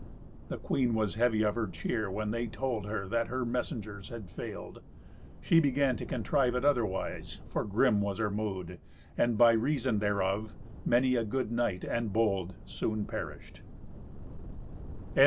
The queen was heavy of her cheer when they told her that her messengers had failed. She began to contrive it otherwise, for grim was her mood, and by reason thereof many a good knight and bold soon perished.